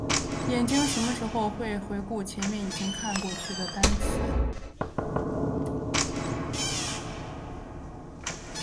眼睛什么时候会回顾前面已经看到过的单词？